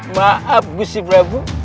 maaf gusti prabu